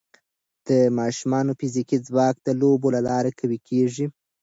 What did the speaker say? د ماشومانو فزیکي ځواک د لوبو له لارې قوي کېږي.